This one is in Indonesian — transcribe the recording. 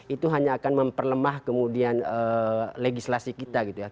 itu hanya akan memperlemah kemudian legislasi kita gitu ya